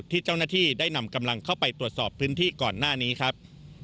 ที่เจ้าหน้าที่ได้นำกำลังเข้าไปตรวจสอบพื้นที่ก่อนหน้านี้ครับ